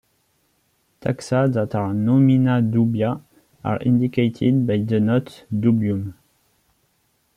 Taxa that are "nomina dubia" are indicated by the note "dubium".